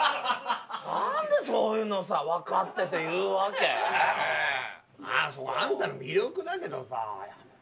何でそういうのさ分かってて言うわけ？あんたの魅力だけどさ。